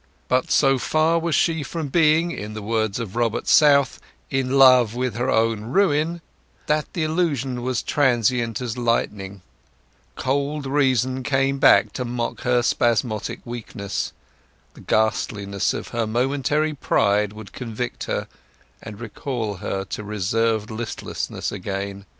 But so far was she from being, in the words of Robert South, "in love with her own ruin," that the illusion was transient as lightning; cold reason came back to mock her spasmodic weakness; the ghastliness of her momentary pride would convict her, and recall her to reserved listlessness again.